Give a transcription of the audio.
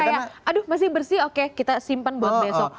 kayak aduh masih bersih oke kita simpan buat besok